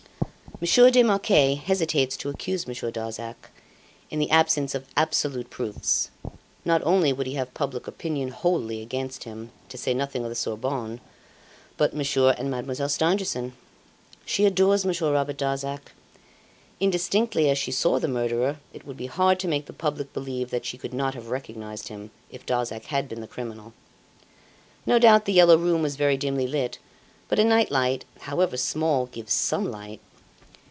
"Monsieur de Marquet hesitates to accuse Monsieur Darzac, in the absence of absolute proofs. Not only would he have public opinion wholly against him, to say nothing of the Sorbonne, but Monsieur and Mademoiselle Stangerson. She adores Monsieur Robert Darzac. Indistinctly as she saw the murderer, it would be hard to make the public believe that she could not have recognised him, if Darzac had been the criminal. No doubt The "Yellow Room" was very dimly lit; but a night light, however small, gives some light.